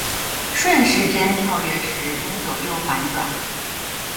顺时针跳跃时，应左右反转。